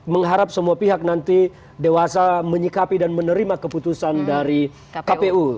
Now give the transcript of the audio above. mengharap semua pihak nanti dewasa menyikapi dan menerima keputusan dari kpu